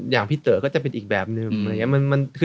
อย่างพี่เต๋อก็จะเป็นอีกแบบนึง